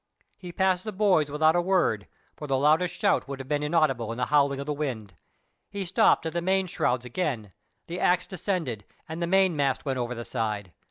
He passed the boys without a word, for the loudest shout would have been inaudible in the howling of the wind. He stopped at the main shrouds again, the axe descended, and the mainmast went over the side.